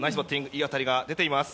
いい当たりが出ています。